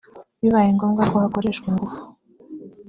bibayengombwa ko hakoreshwa igufu